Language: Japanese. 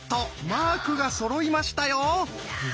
マークがそろいましたよ！